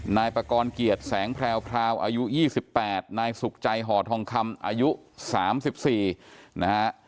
นายประกอบเกียรติแสงแพรวอายุ๒๘นายสุขใจห่อทองคำอายุ๓๔นะฮะ